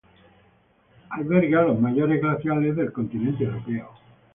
Alberga los mayores glaciares del continente europeo.